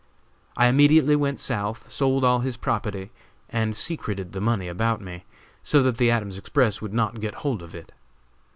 I immediately went South, sold all his property and secreted the money about me, so that the Adams Express would not get hold of it.